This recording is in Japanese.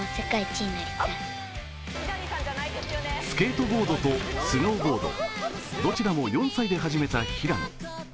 スケートボードとスノーボード、どちらも４歳で始めた平野。